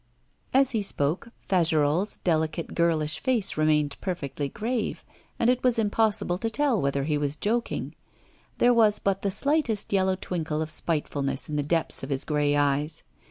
As he spoke Fagerolles' delicate girlish face remained perfectly grave, and it was impossible to tell whether he was joking. There was but the slightest yellow twinkle of spitefulness in the depths of his grey eyes.